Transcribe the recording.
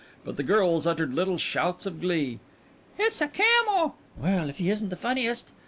But the girls uttered little shouts of glee. "It's a camel!" "Well, if he isn't the funniest!"